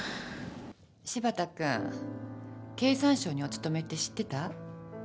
柴田君経産省にお勤めって知ってた？